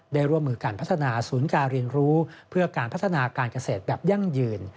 ร่วมมือการพัฒนาศูนย์การเรียนรู้เพื่อการพัฒนาการเกษตรแบบยั่งยืน